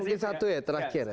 mungkin satu ya terakhir ya